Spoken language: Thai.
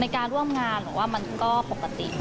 ในการร่วมงานผมว่ามันก็ปกติ